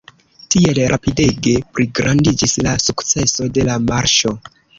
Tiel rapidege pligrandiĝis la sukceso de la marŝo.